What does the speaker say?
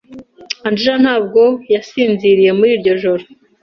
Angela ntabwo yasinziriye muri iryo joro.